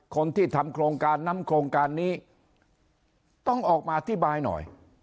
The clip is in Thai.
คนที่ทำโครงการนั้นโครงการนี้ต้องออกมาอธิบายหน่อย